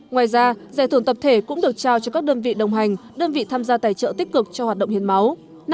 ngoài ra giải thưởng tập thể cũng được trao cho các đơn vị đồng hành đơn vị tham gia tài trợ tích cực cho hoạt động hiến máu